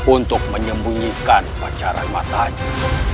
untuk menyembunyikan pacaran matanya